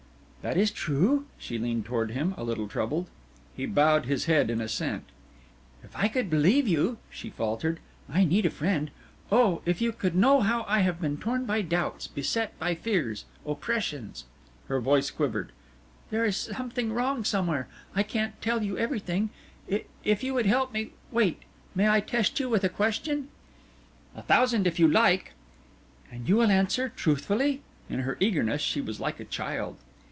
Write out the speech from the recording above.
"That is true?" She leaned toward him, a little troubled. He bowed his head in assent. "If I could believe you," she faltered. "I need a friend! Oh, if you could know how I have been torn by doubts beset by fears oppressions." Her voice quivered. "There is something wrong somewhere I can't tell you everything if you would help me wait. May I test you with a question?" "A thousand if you like." "And you will answer truthfully?" In her eagerness she was like a child.